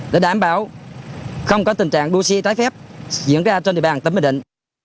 để đảm bảo không có tình trạng đua xe trái phép diễn ra trên địa bàn tỉnh bình định